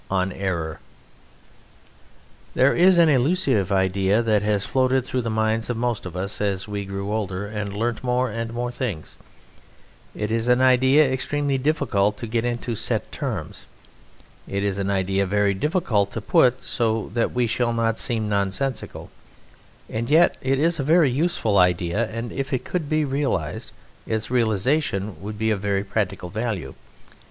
On Error There is an elusive idea that has floated through the minds of most of us as we grew older and learnt more and more things. It is an idea extremely difficult to get into set terms. It is an idea very difficult to put so that we shall not seem nonsensical; and yet it is a very useful idea, and if it could be realized its realization would be of very practical value.